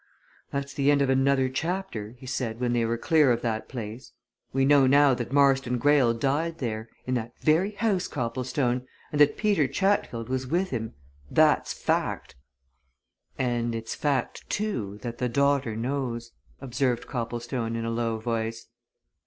"That's the end of another chapter," he said when they were clear of that place. "We know now that Marston Greyle died there in that very house, Copplestone! and that Peter Chatfield was with him. That's fact!" "And it's fact, too, that the daughter knows," observed Copplestone in a low voice.